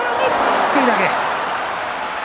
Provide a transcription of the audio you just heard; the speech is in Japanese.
すくい投げ錦